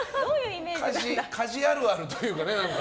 家事あるあるというかね。